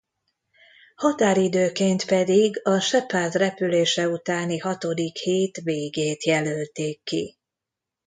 Határidőként pedig a Shepard repülése utáni hatodik hét végét jelölték ki.